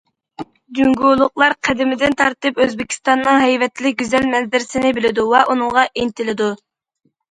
جۇڭگولۇقلار قەدىمدىن تارتىپ ئۆزبېكىستاننىڭ ھەيۋەتلىك گۈزەل مەنزىرىسىنى بىلىدۇ ۋە ئۇنىڭغا ئىنتىلىدۇ.